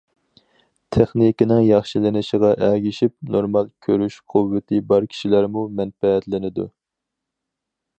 تېخنىكىنىڭ ياخشىلىنىشىغا ئەگىشىپ، نورمال كۆرۈش قۇۋۋىتى بار كىشىلەرمۇ مەنپەئەتلىنىدۇ.